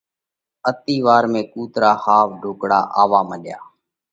اتِي وار ۾ ڪُوترا ۿاوَ ڍُوڪڙا آوَوا مڏيا۔